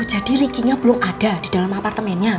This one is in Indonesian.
jadi riki nya belum ada di dalam apartemennya